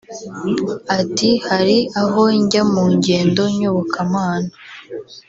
Ati”Hari aho njya mu ngendo nyobokamana